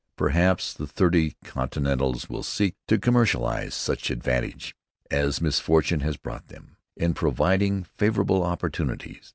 Perhaps the thrifty continentals will seek to commercialize such advantage as misfortune has brought them, in providing favorable opportunities.